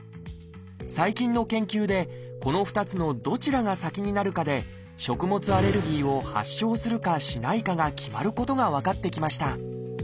最近の研究でこの２つのどちらが先になるかで食物アレルギーを発症するかしないかが決まることが分かってきました。